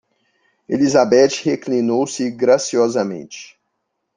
Elizabeth reclinou-se graciosamente.